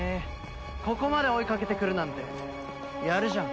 ここまで追いかけてくるなんてやるじゃん。